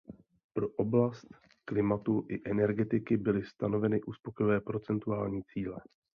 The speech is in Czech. Pro oblast klimatu i energetiky byly stanoveny uspokojivé procentuální cíle.